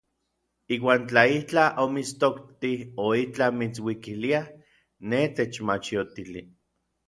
Iuan tla itlaj omitstoktij o itlaj mitsuikilia, nej techmachiotili.